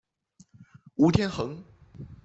吴天垣。